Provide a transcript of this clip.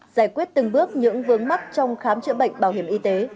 giải quyết từng bước những vướng mắc trong khám chữa bệnh bảo hiểm y tế